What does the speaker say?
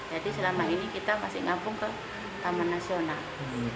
jadi selama ini kita masih ngampung ke taman nasional